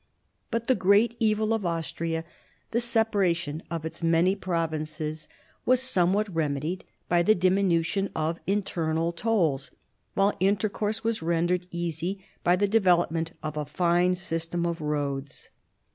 But the great evil of Austria, the separation of its many provinces, was somewhat remedied by the diminution of internal tolls, while intercourse was rendered easy by the development of a fine system of roads.